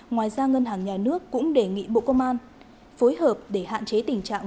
ngoài ra ngân hàng nhà nước cũng đề nghị bộ công an phối hợp để hạn chế tình trạng